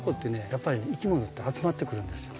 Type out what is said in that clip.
やっぱりいきものって集まってくるんですよ。